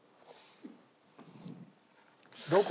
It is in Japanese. どこ？